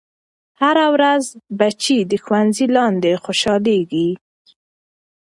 هره ورځ بچے د ښوونځي لاندې خوشحالېږي.